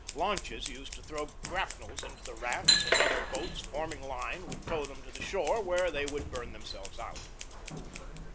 Launches used to throw grapnels into the rafts, and other boats, forming line, would tow them to the shore, where they would burn themselves out.